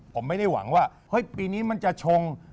ผมไม่ได้หวังว่าเฮ้ยปีนี้มันจะชง